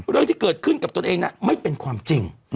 เรื่องที่เกิดขึ้นกับตนเองไม่เป็นความจริง